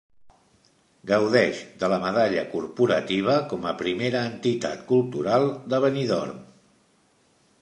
Gaudeix de la medalla corporativa com a primera entitat cultural de Benidorm.